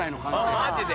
マジで？